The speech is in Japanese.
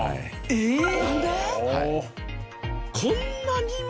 えっ？